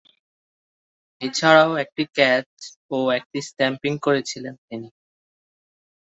এছাড়াও, একটি ক্যাচ ও একটি স্ট্যাম্পিং করেছিলেন তিনি।